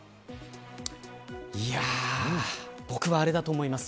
いやあ、僕はあれだと思います。